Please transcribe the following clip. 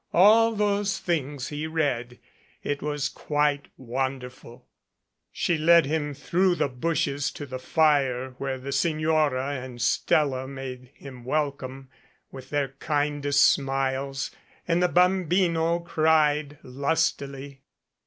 All those things he read. It was quite wonderful. She led him through the bushes to the fire where the Signora and Stella made him welcome with their kindest smiles and the bambino cried lustily.